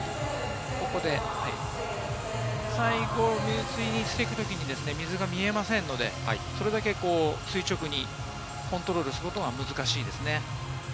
最後入水してくるとき水が見えませんので、それだけ垂直にコントロールすることが難しいですね。